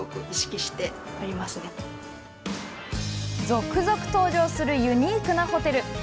続々登場するユニークなホテル。